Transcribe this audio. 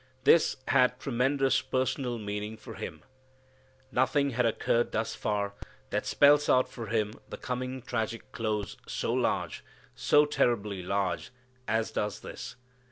This had tremendous personal meaning for Him. Nothing has occurred thus far that spells out for Him the coming tragic close so large, so terribly large, as does this.